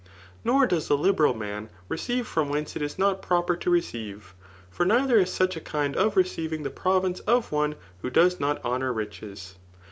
Nor does the liberal man receive front whence it is not proper to receive ; for neither is such a kind of receiving the province of one who does not honour riches.